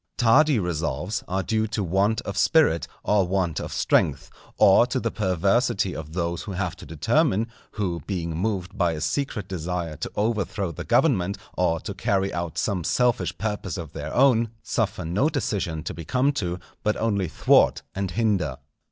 Tardy resolves are due to want of spirit or want of strength, or to the perversity of those who have to determine, who being moved by a secret desire to overthrow the government, or to carry out some selfish purpose of their own, suffer no decision to be come to, but only thwart and hinder.